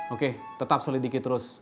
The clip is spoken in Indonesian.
oke tetap sulit dikit terus